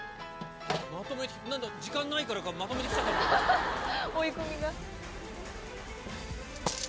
まとめて。時間ないからかまとめてきちゃったのかな？追い込みが？